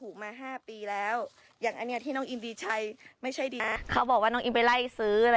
คิดว่ามีที่จะฆ่าใครเหรอ